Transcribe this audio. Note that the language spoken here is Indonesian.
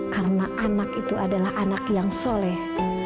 karena anak itu adalah anak yang soleh